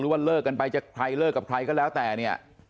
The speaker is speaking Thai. ว่าเลิกกันไปจะใครเลิกกับใครก็แล้วแต่เนี่ย